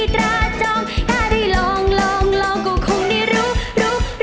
ถ้าได้ลองก็คงได้รู้